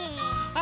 「あ！」